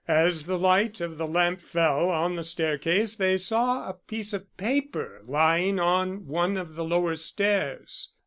As the light of the lamp fell on the staircase they saw a piece of paper lying on one of the lower stairs.